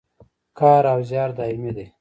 کار او زیار دایمي دی